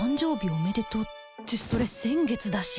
おめでとうってそれ先月だし